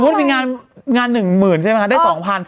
สมมติเป็นงานหนึ่งหมื่นใช่ไหมคะได้สองพัน